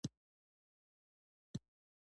که کشیش مناسک په جديت اجرا کړي، خلک قانع کېږي.